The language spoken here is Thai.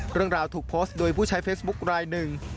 เรื่องราวถูกโพสต์โดยผู้ใช้เฟซบุ๊คลายหนึ่ง